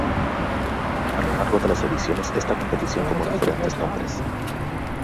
A lo largo de las ediciones esta competición tomó diferentes nombres.